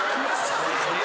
え！